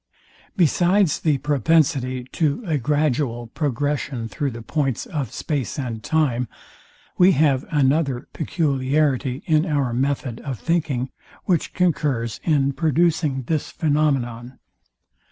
Besides the propensity to a gradual progression through the points of space and time, we have another peculiarity in our method of thinking, which concurs in producing this phænomenon.